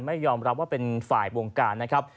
ไม่ยอมรับว่าเป็นฝ่ายวงการนะครับ